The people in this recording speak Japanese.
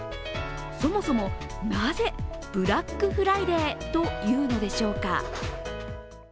そもそもなぜ、ブラックフライデーと言うのでしょうか？